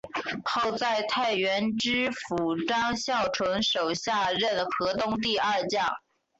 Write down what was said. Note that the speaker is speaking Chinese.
后在太原知府张孝纯手下任河东第二将。